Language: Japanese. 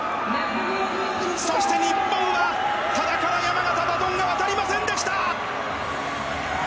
そして日本は多田から山縣にバトンが渡りませんでした！